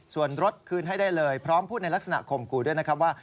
ส่วนรถคืนให้ได้เลยพร้อมพูดในลักษณะข่มขู่ด้วยนะครับว่า